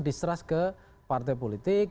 distrust ke partai politik